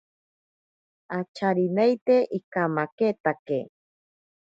Acharineite ikamaketake.